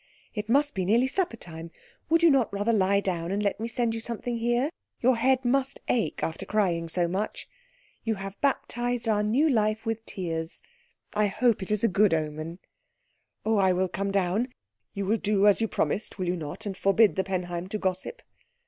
"It must be nearly supper time. Would you not rather lie down and let me send you something here? Your head must ache after crying so much. You have baptised our new life with tears. I hope it is a good omen." "Oh, I will come down. You will do as you promised, will you not, and forbid the Penheim to gossip?"